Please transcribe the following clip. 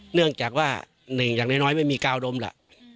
เนื่องจากว่าหนึ่งอย่างน้อยไม่มีกาวนมล่ะ